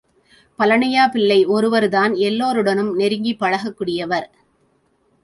பழனியா பிள்ளை ஒருவர் தான் எல்லோருடனும் நெருங்கிப் பழகக் கூடியவர்.